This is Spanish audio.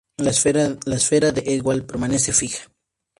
La esfera de Ewald permanece fija.